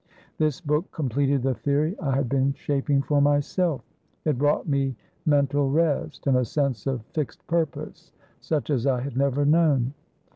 This book completed the theory I had been shaping for myself; it brought me mental rest, and a sense of fixed purpose such as I had never known.